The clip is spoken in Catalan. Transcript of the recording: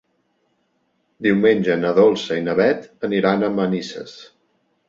Diumenge na Dolça i na Beth aniran a Manises.